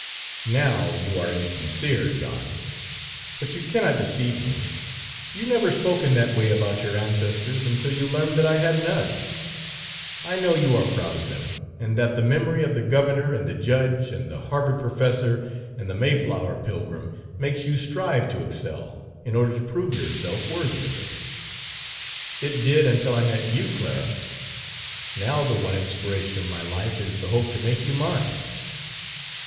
"Now you are insincere, John; but you cannot deceive me. You never spoke in that way about your ancestors until you learned that I had none. I know you are proud of them, and that the memory of the governor and the judge and the Harvard professor and the Mayflower pilgrim makes you strive to excel, in order to prove yourself worthy of them." "It did until I met you, Clara. Now the one inspiration of my life is the hope to make you mine."